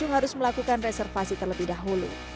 dan juga harus melakukan reservasi terlebih dahulu